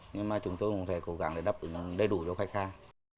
nhưng mà chúng tôi cũng sẽ cố gắng để đắp đủ đầy đủ cho khách hàng